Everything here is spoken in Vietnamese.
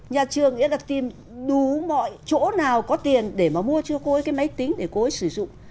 nhà trường nghĩa là tìm đủ mọi chỗ nào có tiền để mà mua cho cô ấy cái máy tính để cô ấy sử dụng